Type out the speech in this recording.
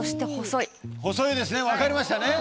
細いですね分かりましたね。